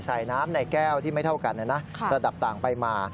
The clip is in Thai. ใส่น้ำในแก้วที่ไม่เท่ากันระดับต่างไปมา